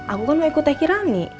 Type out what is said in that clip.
aku kan mau ikut teh irani